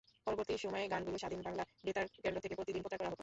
পরবর্তী সময়ে গানগুলো স্বাধীন বাংলা বেতার কেন্দ্র থেকে প্রতিদিন প্রচার করা হতো।